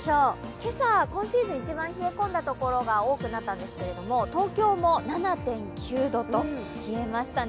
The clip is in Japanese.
今朝、今シーズン一番冷え込んだ所が多くなったんですけど東京も７．９度と冷えましたね。